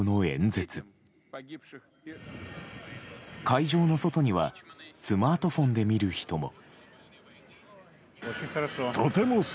会場の外にはスマートフォンで見る人も。